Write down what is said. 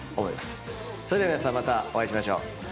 それでは皆さんまたお会いしましょう。